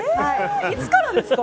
いつからですか？